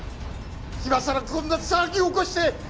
今さらこんな騒ぎを起こして！